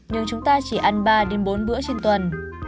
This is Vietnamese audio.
nhưng chúng ta chỉ ăn ba bốn bữa trên tuần